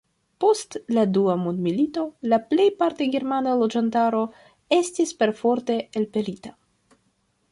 Post la dua mondmilito la plej parte germana loĝantaro estis perforte elpelita.